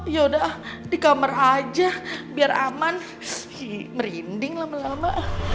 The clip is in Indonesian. yaudah di kamar aja biar aman merinding lama lama